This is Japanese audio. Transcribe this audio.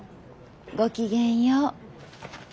ごきげんよう。